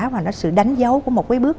và nó sự đánh dấu của một cái bước